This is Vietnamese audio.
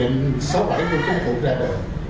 nghị định sáu mươi bảy của chính phủ ra đời